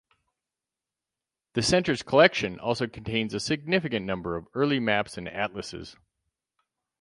The Center's collection also contains a significant number of early maps and atlases.